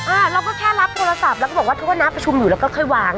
อ่าเราก็แค่รับโทรศัพท์แล้วก็บอกว่าทุกคณะประชุมอยู่แล้วก็เคยวาง